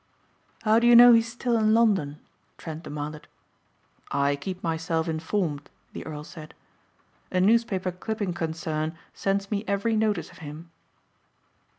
"How do you know he is still in London?" Trent demanded. "I keep myself informed," the earl said. "A newspaper clipping concern sends me every notice of him."